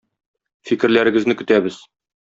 Фикерләрегезне көтәбез.